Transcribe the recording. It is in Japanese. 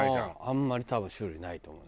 あんまり多分種類ないと思う。